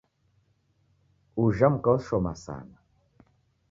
Ujha mka oshoma sana.